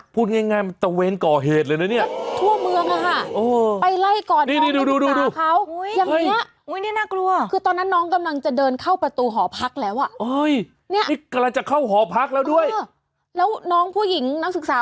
พูดง่ายเกาะเหตุเลยนะเนี่ย